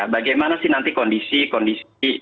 bagaimana nanti kondisi kondisi